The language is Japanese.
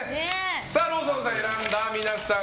ローソンさんを選んだ皆さん